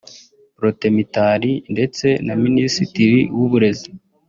Protais Mitali ndetse na Minisitiri w’uburezi